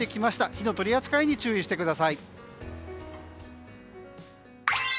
火の取り扱いに注意してください。